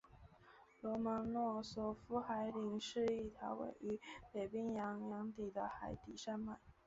罗蒙诺索夫海岭是一条位于北冰洋洋底的海底山脉。